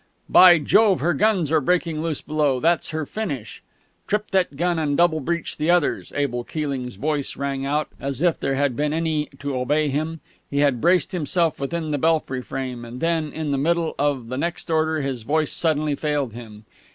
"By Jove, her guns are breaking loose below that's her finish " "Trip that gun, and double breech the others!" Abel Keeling's voice rang out, as if there had been any to obey him. He had braced himself within the belfry frame; and then in the middle of the next order his voice suddenly failed him.